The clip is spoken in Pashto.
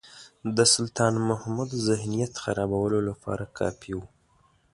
د سلطان محمود ذهنیت خرابولو لپاره کافي وو.